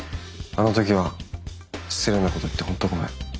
あの時は失礼なこと言って本当ごめん。